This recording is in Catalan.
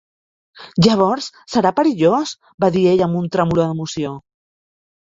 "Llavors, serà perillós?", va dir ell amb un tremolor d'emoció.